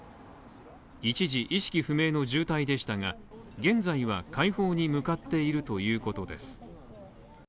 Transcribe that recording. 一時、意識不明の重体でしたが、現在は快方に向かっているということです。